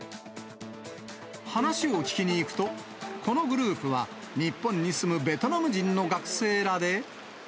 話を聞きに行くと、このグループは日本に住むベトナム人の学生らで。